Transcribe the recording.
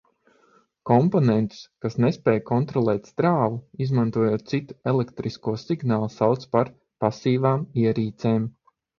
"Komponentus, kas nespēj kontrolēt strāvu, izmantojot citu elektrisko signālu, sauc par "pasīvām" ierīcēm."